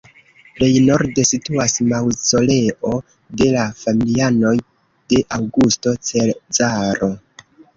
Plej norde situas maŭzoleo de la familianoj de Aŭgusto Cezaro.